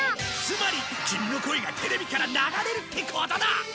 つまりキミの声がテレビから流れるってことだ！